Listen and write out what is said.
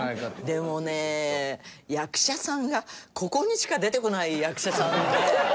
でもね役者さんがここにしか出てこない役者さんで。